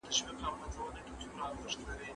موډرن روشنفکر او مارکسیزم